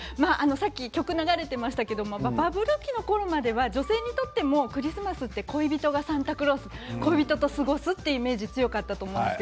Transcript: さっき曲が流れていましたがバブル期のころまでは女性にとっても恋人がサンタクロースで恋人と過ごすイメージが多かったんです。